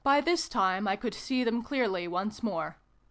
By this time I could see them clearly once more.